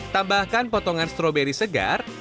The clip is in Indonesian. tambahkan potongan stroberi segar